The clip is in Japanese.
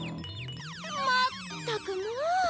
まったくもう。